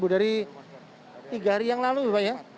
lima dari tiga hari yang lalu pak ya